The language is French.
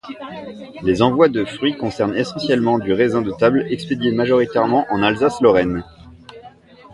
Les envois de fruits concernent essentiellement du raisin de table expédié majoritairement en Alsace-Lorraine.